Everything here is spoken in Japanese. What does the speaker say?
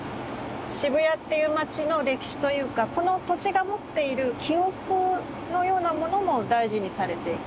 渋谷っていう街の歴史というかこの土地が持っている記憶のようなものも大事にされていく？